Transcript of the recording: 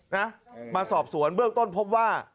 นะมาสอบสวนเบื้องต้นพบว่า